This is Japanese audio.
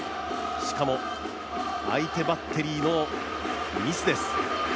しかも相手バッテリーのミスです。